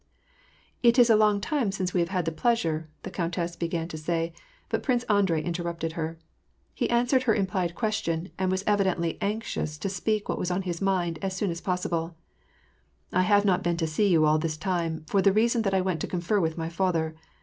" It is a long time since we have had the pleasure "— the countess began to say, but Prince Andrei interrupted her. He answered her implied question, and was evidently anxious to speak what was on his mind as soon as possible. " I have not been to see you all this time, for the reason that I went to confer with my father.